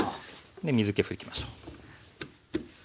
で水け拭きましょう。